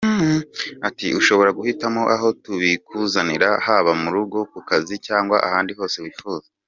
Ati:” Ushobora guhitamo aho tubikuzanira haba mu rugo, ku kazi cyangwa ahandi hose wifuza.